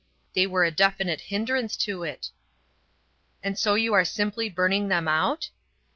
They were a definite hindrance to it." "And so you are simply burning them out?"